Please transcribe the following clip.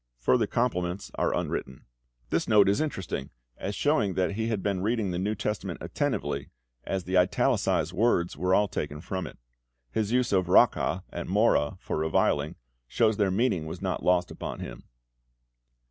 Further compliments are unwritten." This note is interesting, as showing that he had been reading the New Testament attentively, as the italicised words were all taken from it. His use of "raca" and "moreh" for reviling, shows their meaning was not lost upon him.